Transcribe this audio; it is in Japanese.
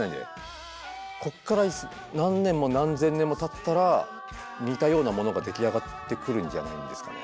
こっから何年も何千年もたったら似たようなものが出来上がってくるんじゃないんですかね。